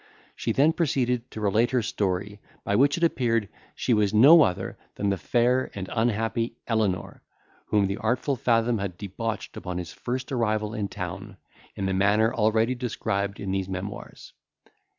She then proceeded to relate her story, by which it appeared, she was no other than the fair and unhappy Elenor, whom the artful Fathom had debauched upon his first arrival in town, in the manner already described in these memoirs.